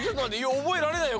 おぼえられないよ